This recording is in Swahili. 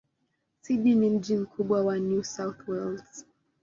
Sydney ni mji mkubwa wa New South Wales.